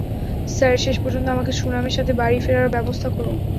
Sir, শেষ পর্যন্ত আমাকে সুনামের সাথে বাড়ি ফেরার ব্যবস্থা করুন।